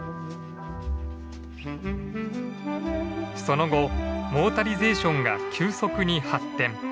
その後モータリゼーションが急速に発展。